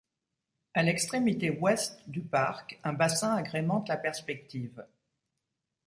À l’extrémité ouest du parc, un bassin agrémente la perspective.